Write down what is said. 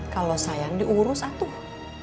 kalau sayang diurus atuh